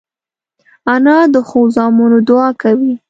انا د ښو زامنو دعا کوي